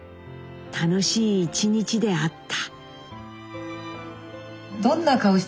楽しい一日であった」。